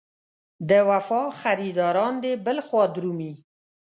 د وفا خریداران دې بل خوا درومي.